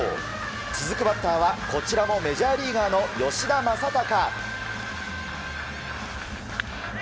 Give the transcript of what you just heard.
続くバッターはこちらもメジャーリーガーの吉田正尚。